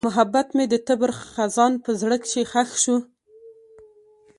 محبت مې د تېر خزان په زړه کې ښخ شو.